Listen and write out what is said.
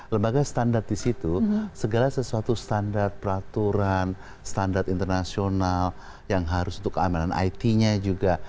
lembaga standar di situ segala sesuatu standar peraturan standar internasional yang harus untuk keamanan it nya juga